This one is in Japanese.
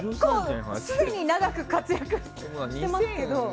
すでに長く活躍してますけど。